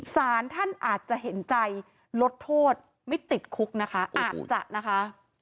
สารท่านอาจจะเห็นใจลดโทษไม่ติดคุกนะคะอาจจะนะคะ